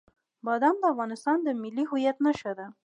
بادام د افغانستان د ملي هویت یوه نښه ده.